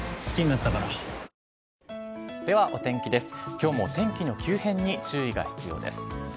きょうもお天気の急変に注意が必要です。